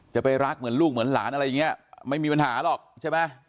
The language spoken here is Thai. จะไปรักเหมือนลูกเหมือนหลานอะไรอย่างนี้ไม่มีปัญหาหรอกใช่ไหม